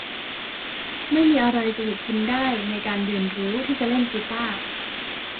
ไม่มีอะไรจะหยุดคุณได้ในการเรียนรู้ที่จะเล่นกีตาร์